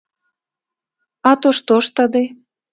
А то што ж тады?